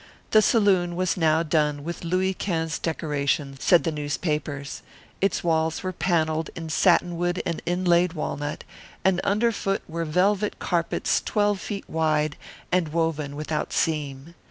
The saloon was now done with Louis Quinze decorations, said the newspapers. Its walls were panelled in satinwood and inlaid walnut, and under foot were velvet carpets twelve feet wide and woven without seam.